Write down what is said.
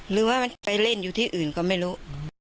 หรือว่ามันไปเล่นอยู่ที่อื่นก็ไม่รู้